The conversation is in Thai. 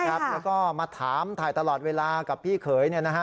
แล้วก็มาถามถ่ายตลอดเวลากับพี่เขย